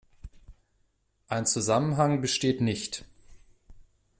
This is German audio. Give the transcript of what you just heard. Ein Zusammenhang besteht nicht.